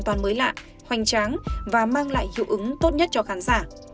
toàn mới lạ hoành tráng và mang lại hiệu ứng tốt nhất cho khán giả